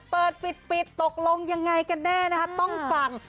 เปิดปิดตกลงยังไงกันแน่นะคะต้องฟัง